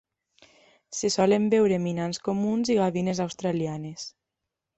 Se solen veure minans comuns i gavines australianes.